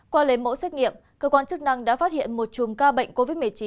qua lấy mẫu xét nghiệm cơ quan chức năng đã phát hiện một chùm ca bệnh covid một mươi chín